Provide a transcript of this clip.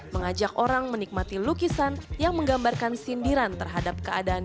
mengajak orang menikmati lukisan yang menggambarkan sindiran terhadap keadaan